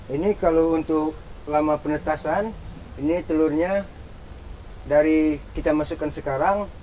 ini kalau untuk lama penetasan ini telurnya dari kita masukkan sekarang